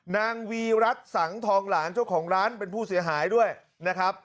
นางวีรัฐสังทองหลานเจ้าของร้านเป็นผู้เสียหายด้วยนะครับ